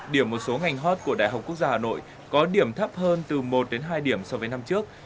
điểm một số ngành hot của đại học quốc gia hà nội có điểm thấp hơn từ một đến hai điểm so với năm trước